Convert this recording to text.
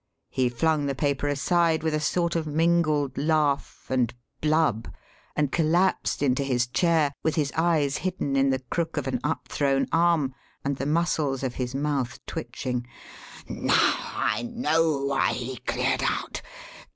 He flung the paper aside with a sort of mingled laugh and blub and collapsed into his chair with his eyes hidden in the crook of an upthrown arm, and the muscles of his mouth twitching. "Now I know why he cleared out!